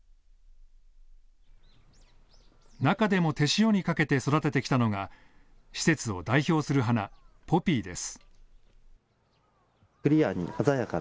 中でも手塩にかけて育ててきたのが施設を代表する花、ポピーです。